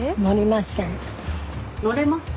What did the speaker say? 乗れますか？